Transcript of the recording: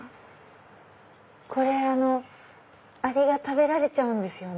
これアリが食べられちゃうんですよね。